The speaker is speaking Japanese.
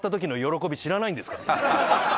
知らないんですか。